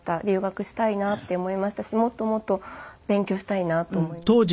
留学したいなって思いましたしもっともっと勉強したいなと思いました。